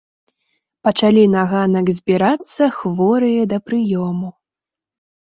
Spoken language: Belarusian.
Пачалі на ганак збірацца хворыя да прыёму.